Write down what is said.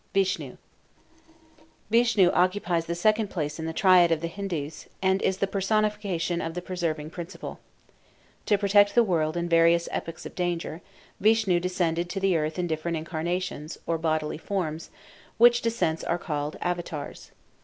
VISHNU Vishnu occupies the second place in the triad of the Hindus, and is the personification of the preserving principle. To protect the world in various epochs of danger, Vishnu descended to the earth in different incarnations, or bodily forms, which descents are called Avatars.